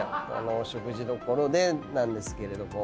お食事処でなんですけれども。